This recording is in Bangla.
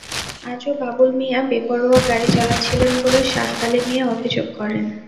আজও বাবুল মিয়া বেপরোয়া গাড়ি চালাচ্ছিলেন বলে শাহ আলী মিয়া অভিযোগ করেন।